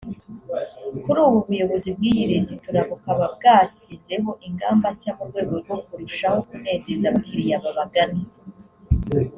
Kuri ubu ubuyobozi bw’iyi resitora bukaba bwashyizeho ingamba nshya mu rwego rwo kurushaho kunezeza abakiliya babagana